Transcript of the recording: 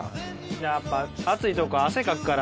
やっぱ暑い所は汗かくから。